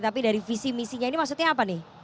tapi dari visi misinya ini maksudnya apa nih